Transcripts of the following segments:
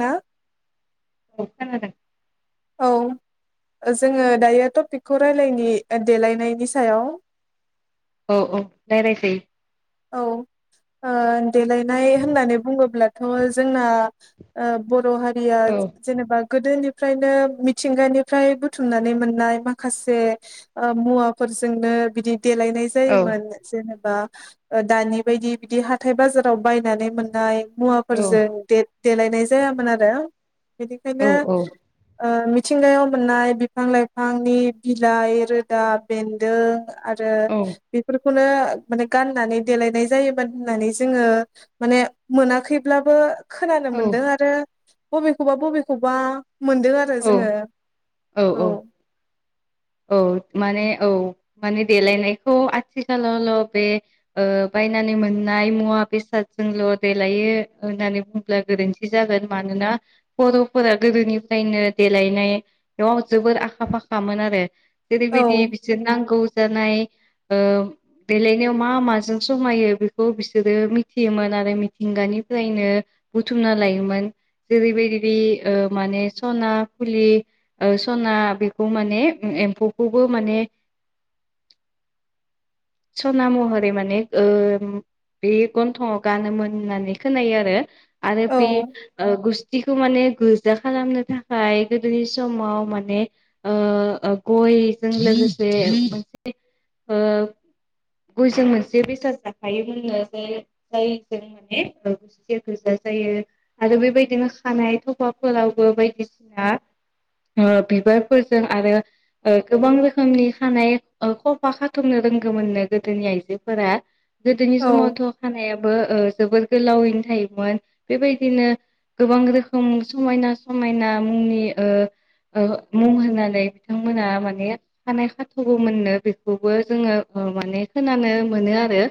मा औ खोनादों औ जोङो दायो टपिकखौ रायलायनि देलायनायनि सायाव औ औ रायलायखायो औ ओ देलायनाय होननानै बुङोब्लाथ' जोंना ओ बर' हा या औ जेनेबा गोदोनि फ्रायनो मिथिंगानिफ्राय बुथुमनानै मोननाय माखासे ओ मुवाफोरजोंनो बिदि देलायनाय औ जायोमोन जेने बा दानि बायदि बिदि हाथाय बाजाराव बायनानै मोननाय औ मुवाफोरजों दे देलायनाय जायामोन आरो औ बेनिखायनो औ ओ मिथिंगायाव मोननाय बिफां लाइफांनि बिलाइ रोदा बेन्दों आरो औ बेफोर बेफोरखोनो माने गानोमोन। होननानै देलायनाय जायोमोन होननानै जोङो माने मोनाखैब्लाबो खोनानो मोनदों आरो बबेखौबा बबेखौबा मोनदों आरो औ जोङो औ औ माने औ माने देलायनायखौ आथिखालावल' बे ओ बायनानै मोननाय मुवा बेसादजोंल' देलायो होननानै बुंदोंब्लाबो गोरोन्थि जागोन मानोना बर'फोरा गोदोनिफ्रायनो देलायनायाव जोबोर आखा फाखामोन आरो औ जेरैबायदि बिसोर नांगौ। जानाय देलायनायाव मा माजों समायो बेखौ बिसोरो मिथियोमोन आरो मिथिंगानिफ्रायनो बुथुमना लायोमोन जेरैबायदि बे माने सना फुलि सना बेखौ माने एम्फौखौबो माने सना महरै माने बे गन्थंआव गानोमोन होननानै खोनायो आरो। आरो औ बे गुस्थि जिखौ माने गोजा खालामनो थाखाय गोदोनि समाव माने गयजों लोगोसे मोनसे गयजों मोनसे बेसाद जाफायोमोनो जाय जायजों माने गुस्थि गोजा जायो आरो बेबायदिनो खानाय थफाफोरावबो बायदिसिना बिबारफोरजों आरो गोबां रोखोमनि खानाय खफा खाथुमनो रोंगौमोननो गोदोनि आइजोफोरा गोदोनि औ समावथ' खानायाबो जोबोर गोलावैनो थायोमोन बेबायदिनो गोबां रोखोम समायना समायना मुंनि मुं होननानै बिथांमोना माने हानाय खाथ'बो मोननो बेखौबो जोङो माने खोनानो मोनो आरो।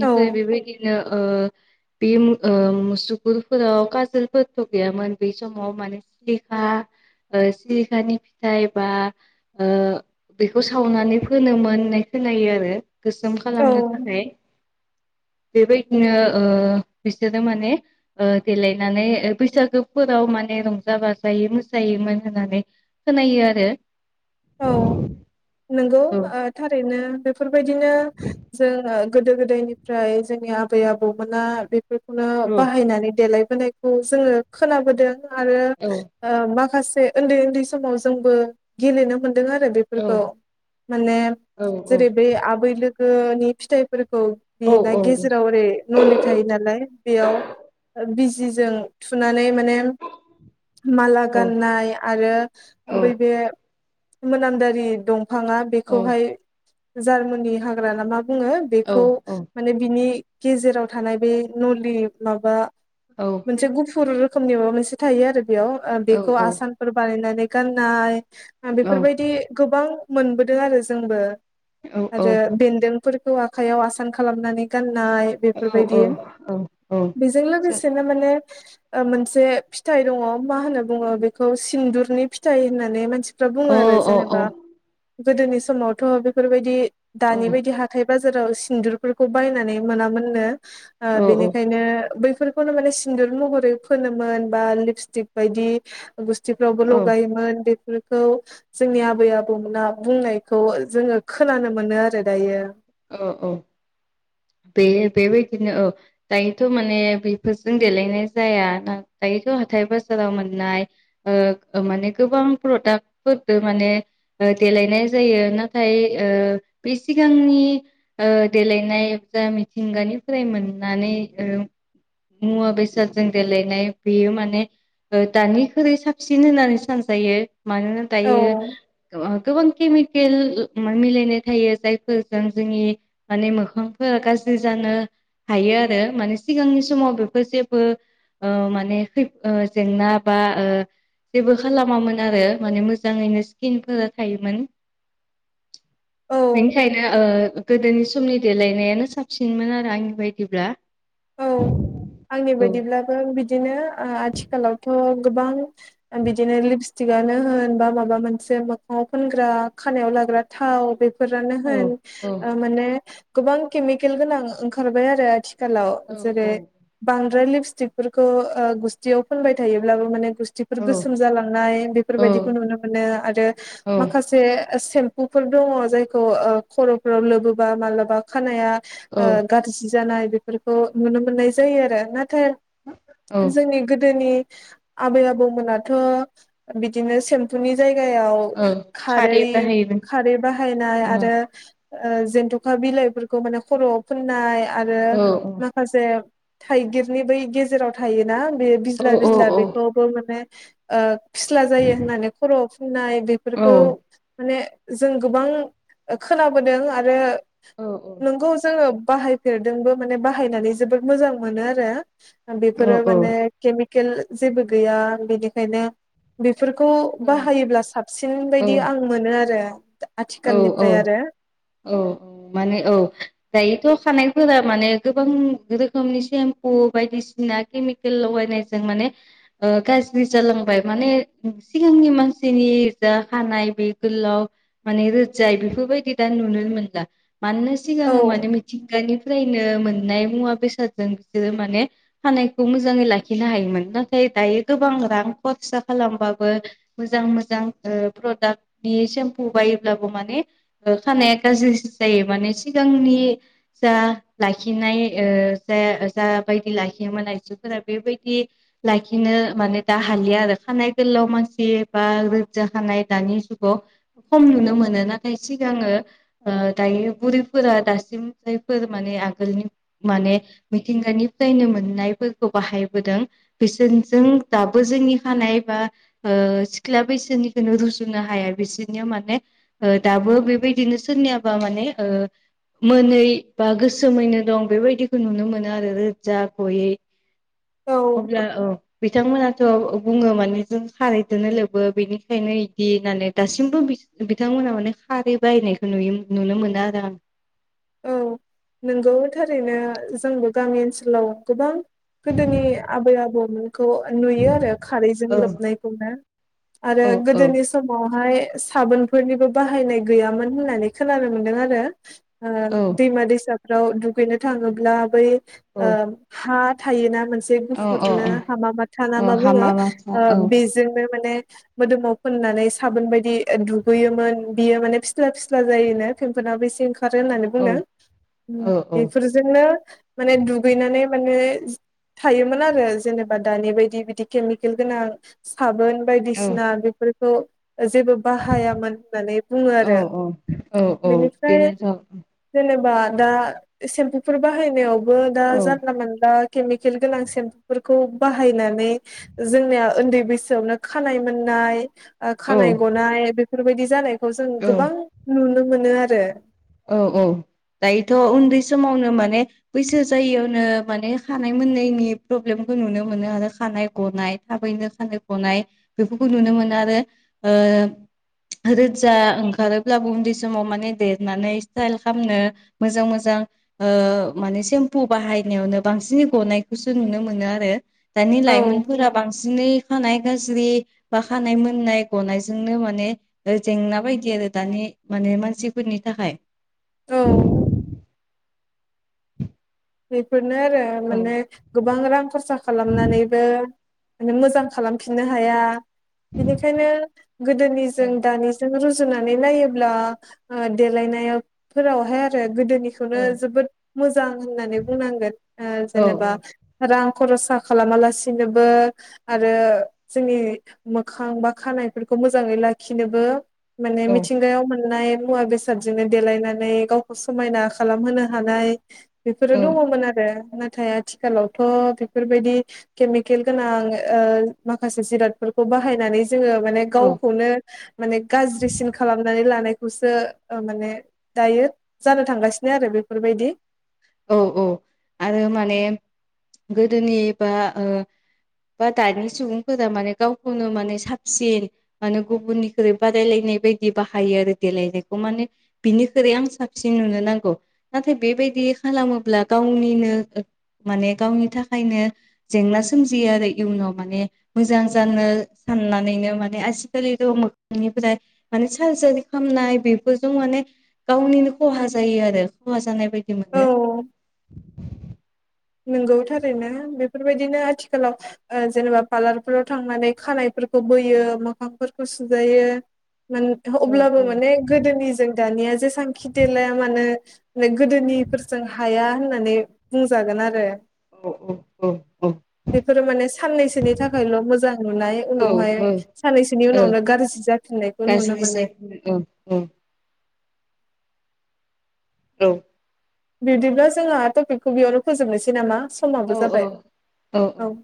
निफ्राय औ बेबायदिनो औ बे मुसुगुरफोराव काजोलफोरथ' गैयामोन ब समाव माने सिलिखा सिलिखानि फिथाइ बा बेखौ सावनानै फोनोमोन होननाय खोनायो आरो। गोसोम खालामनो औ थाखाय बेबायदिनो बिसोरो माने देलायनानै बैसागोफोराव माने रंजा बाजायै मोसायोमोन होननानै खोनायो आरो। आरो औ नंगौ औ ओ थारैनो बेफोर बे बायदिनो जोङो गोदो गोदायनिफ्राय जोंनि आबै आबौमोना बे फोरखौनो औ बाहायनानै देलाय बोनायखौ जोङो खोनाबोदों। आरो ओ माखासे उन्दै उन्दै समाव जोंबो गेलेनो मोनदों आरो औ बेफोरखौ माने औ जेरै बे आबैलो लोनि फिथाइफोर खौ बे औ ना गेजेराव ओरै नलि थायो नालाय बेयाव बिजिजों थुनानै माने माला औ गाननाय आरो बै बे मानदारि दं फाङा औ बेखौहाय जार्मनि हाग्रा ना मा बुङो औ बेखौ औ माने बिनि गेजेराव थानाय बे नुलि माबा औ मोनसे गुफुर रोखोमनि माबा मोनसे थायो आरो बेयाव ओ बेखौ औ आसानफोर बानायनानै गाननाय औ बेफोरबायदि गोबां मोनबोदों आरो जोंबो आरो बेन्दोंफोर खौ आखाइयाव आसान खालामनानै गान नाय औ औ बेफोरबायदि औ बेजों जों लोगोसेनो माने मोनसे फिथाइ दङ मा होनना बुङो बेखौ सिन्दुरनि फिथाइ होननानै मानसि फ्रा बुङो औ आरो जेनेबा गोदोनि समावथ' बेफोरबायदि दानि बायदि हाथाइ बाजाराव सिन्दुरफोरखौ बायनानै मोनामोननो ओ औ बेनिखायनो बै फोरखौनो माने सिन्दुर महरै फोनोमोन बा लिपस्टिक बायदि गुस्थिफ्रावबो लगायोमोन बे खौ जोंनि आबै आबौमोना बुंनायखौ जोङो खोनानो मोनो आरो दायो। औ - औ बे बेबायदिनो औ दायोथ' माने बेफोरजों देलायनाय जाया दायोथ' हाथाय - बाजाराव मोननाय ओ माने गोबां प्रडाक्टफोरबो माने देलायनाय जायो नाथाय ओ बे सिगांनि ओ देलायनाय जा मिथिंगानिफ्राय मोननानै मुवा बेसादजों देलायनाय बेयो माने दानिख्रुइ साबसिन होननानै सानजायो मानोना दायो औ ओ गोबां केमिकेल मिलायनाय थायो जायफोरजों जोंनि माने मोखांफोरा गाज्रि जानो हायो आरो माने सिगांनि समाव बेफोर जेबो ओ माने जेंना बा ओ जेबो खालामामोन आरो माने मोजांङैनो स्किनफोरा थायोमोन । औ बेनिखायनो ओ गोदोनि समनि देलायनायानो साबसिनमोन आरो आंनि बायदिब्ला औ आंनि औ बायदिब्लाबो बिदिनो ओ आथिखालावथ' गोबां बिदिनो लिबिस टिकानो होन बा माबा मोनसे मोखांङाव फोनग्रा खानायाव लाग्रा थाव बे फोरानो औ होन ओ औ माने गोबां केमिकेल गोनां ओंखारबाय आरो आथिखालाव औ जेरै बांद्राय लिब गुस्थिफोरखो ओ गुसथि फोनबाय थायोब्लाबो माने गुसथिफोर औ गोसोम जालांनाय औ बेफोरबायदिखौ नुनो मोनो आरो औ माखासे सेम बेफोर दङ जायखौ ओ खर'फोराव लोबोबा मालाबा खानाया ओ औ गाज्रि जानाय बेफोर नुनो मोननाय जायो आरो ना औ जोंनि गोदोनि आबै - आबौ मोनाथ' बिदिनो सेम्फुनि जाय गायाव औ खारै बाहायोमोन खारै बाहायनाय आरो ओ जेनथ'खा बिलाइफोरखौ माने खर'आव फोननाय आरो औ माखासे थाइगिरनि बै गेजेराव थायो ना बे औ बिज्ला औ बिज्ला औ बेखौबो माने ओ फिस्ला जायो होननानै खर'आव फुननाय औ बेफोरखौ माने जों गोबां खोनाबोदों आरो औ नंगौ जोंङो बाहायफेरदोंबो माने बाहायनानै जोबोद मोजां मोनो आरो बेफोरो माने औ केममि खेल जेबो गैया बेनिखायनो बे फोरखौ बाहायोब्ला साबसिन बायदि आं मोनो आरो औ औ आथिखालनिफ्राय आरो औ औ माने औ दायोथ' खानाय फोरा माने गोबां रोखोमनि सेम्पु बायदिसिना केमिकेल लगायनायजों माने ओ गाज्रि जालांबाय माने सिगांनि मानसिनि जा खानाय बे गोलाव माने रोजाय बेफोरबायदि दा नुनोनो मोनला मानोना औ सिगाङो माने मिथिंगानिफ्रायनो मोननाय मुवा बेसादजों बिसोरो माने खानायखौ मोजाङै लाखिनो हायोमोन नाथाय दायो गोबां रां खरसा खालामबाबो मोजां मोजां ओ प्रडाक्टनि सेम्प फु बायोब्लाबो माने ओ खानाया गाज्रि जायो माने सिगांनि जा लाखिनाय ओ जा जा बायदि लाखियोमोन आइजोफोरा बेबायदि लाखिनो माने दा हालिया आरो खानाय गोलाव मानसि बा रोजा खानाय दानि जुगाव खम नुनो मोनो नाथाय सिगाङो ओ दायो बुरैफोरा दासिम जायफोर माने आगोलनि माने मिथिंगानिफ्रायनो मोननायफोरखौ बाहायबोदों बिसोरजों दाबो जोंनि खानाय बा ओ सिख्ला बैसोनिखौनो रुजुनो हाया बिसो निया माने ओ दाबो बेबायदिनो सोरनियाबा माने ओ मोनै बा गोसोमैनो दं बेबायदिखौ नुनो मोनो आरो रोजा गयै औ अब्ला औ बिथांमोनाथ' बुङो माने जों खारैदोनो लोबो बेनिखायनो इदि होनानै दासि मबो बिस बिथांमोनहा माने खारै बाहायनायखौ नुयोमो नुनो मोनो आरो आं औ नंगौ थारैनो जोंबो गामि ओनसोलाव गोबां गोदोनि आबै आबौ लै खौ नुयो आरो खारैजों आं लोबनायखौनो आरो औ औ गोदोनि समावहाय साबोनफोरनिबो बाहायनाय गैयामोन होननानै खोनानो मोनदों आरो । ओ औ दैमा-दैसा फोराव दुगैनो थाङोब्ला बै औ ओ हा थायो ना मोन से औ गुफुरनो औ हामा माथा ना मा औ ओ हामा बुङो माथा औ बेजोंनो माने मोदोमाव फोननानै साबोन बायदि दुगैयोमोन बियो माने फिस्ला फिस्ला जायोनो फेम्फनाबो एसे खारो होननानै औ बुंदों औ बेफोरजोंनो माने दुगैनानै माने थायोमोन आरो जेनेबा दानि बायदि बिदि केमिकेल गोनां साबोन औ बायदिसिना बेफोर खौ जेबो बाहायामोन होननानै बुङो आरो औ औ औ बेनिफ्राय बेनोथ' जेनेबा दा सेम्पुफोर बा बाहायनायावबो दा औ जानला मोनला केमिकेल गोनां सेम्फुफोरखौ बाहायनानै जोंनिया ओन्दै बैसोआवनो खानाय मोननाय ओ औ खानाय गनाय बे फोरबायदि जानाय खौ जों औ गोबां नुनो मोनो आरो औ-औ दायोथ' उन्दै समावनो माने बैसो जायियावनो माने खानाय मोननायनि प्रब्लेमखौ नुनो मोनो आरो खानाय गनाय थाबैनो खानाय गनाय बेफोरखौ नुनो मोनो आरो ओ रोजा ओंखारोब्लाबो उन्दै समाव माने दे नानै इस्टाइल खालामनो मोजां मोजां ओ माने सेम्पु बाहायनायावनो बांसिनै गनायखौसो नुनो मोनो आरो । दानि औ लाइमोनफोरा बांसिन बिदिनि खानाय गाज्रि बा खानाय मोननाय गनायजोंनो माने जेंना बायदि आरो दानि माने मानसि फोरनि थाखाय औ [inaudible] बे नो आरो औ माने गोबां रां खरसा खालामनानैबो माने मोजां खालामफिननो हाया । बेनिखायनो औ गोदोनिजों दानिजों रुजु रुजुनानै नायोब्ला ओ देलायनाय फोरावहाय आरो औ गोदोनिखौनो जोबोद मोजां नानै बुंनांगोन ओ औ जेनेबा रां खरसा खालामालासिनोबो आरो जोंनि मोखां बा खानायफोरखौ मोजाङै लाखिनोबो माने औ मिथिंगायाव मोननाय मुवा बेसादजोंनो देलायनानै गावखौ समायना खालामहोनो हानाय बेफोरो औ दङमोन आरो ना थाय आथिखालावथ बेफोरबायदि केमिकेल गोनां ओ माखासे जिरादफोरखौ बाहायनानै जोङो माने गावखौनो माने गाज्रिसिन खालामनानै लानाय खौसो माने दायो जानो थांगासिनो आरो बेफोरबायदि औ-औ आरो माने गोदोनि बा बा दानि सुबुंफोरा माने गावखौनो माने साबसिन माने गुबुननिख्रुइ बादायलायनाय बायदि बाहायो आरो देलायनायखौ माने बिनिख्रुइ आं साबसिन नुनो नांगौ नाथाय बेबायदि खालामोब्ला गावनिनो माने गावनि थाखायनो जेंना सोमजियो आरो इयुनाव माने मोजां जानो साननानैनो माने आजिखालिथ' मोखांनिफ्राय माने सार्जारि खालामनाय बेफोरजों माने गावनिनो खहा जायो आरो खहा जानाय बायदि मोनो औ नंगौथारैनो बेफोरबायदिनो आथिखालाव ओ जेनेबा पार्लारफोराव थांनानै खानायफोरखौ बोयो मोखांफोरखौ सुजायो मान औ अब्लाबो माने गोदोनि जों दानिया जेसांखि देलाया मानो ओ गोदोनि फोरजों हाया होननानै बुंजागोन आरो औ औ बेफोरो माने साननैसोनि थाखायल' मोजां नुनाय उनावहाय औ औ साननैसोनि औ उनावनो गाज्रि जाफिननायखौ नुनो गाज्रि मोनो जायखौ औ बिदिब्ला जोंहा टपिकखौ बेयावनो फोजोबनोसै नामा औ समाबो जाबाय औ